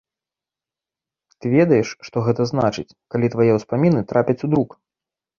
Ты ведаеш, што гэта значыць, калі твае ўспаміны трапяць у друк.